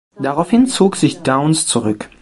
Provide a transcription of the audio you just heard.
Daraufhin zog sich Downes zurück.